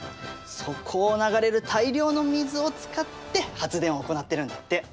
そこを流れる大量の水を使って発電を行ってるんだって。